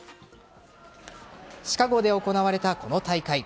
シカゴで行われたこの大会。